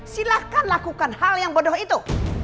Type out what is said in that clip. silahkan lakukan hal yang bodoh itu